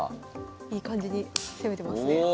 いい感じに攻めてますね。